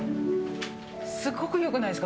すごくよくないですか？